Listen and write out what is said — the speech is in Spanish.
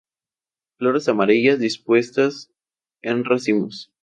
Flores amarillas, dispuestas en racimos.